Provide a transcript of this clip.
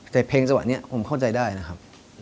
แต่เพลงจังหวะนี้ผมเข้าใจได้นะครับ